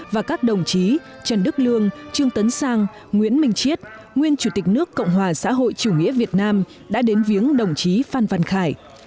và các đồng chí trần đức lương trương tấn sang nguyễn minh chiết nguyên chủ tịch nước cộng hòa xã hội chủ nghĩa việt nam đã đến viếng đồng chí phan văn khải